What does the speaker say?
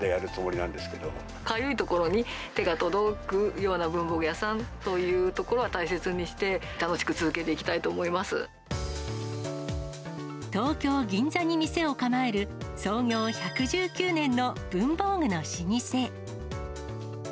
やめろって言われるまでやるかゆい所に手が届くような文房具屋さんというところは大切にして、東京・銀座に店を構える、創業１１９年の文房具の老舗。